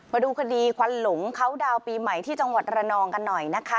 มาดูคดีควันหลงเขาดาวน์ปีใหม่ที่จังหวัดระนองกันหน่อยนะคะ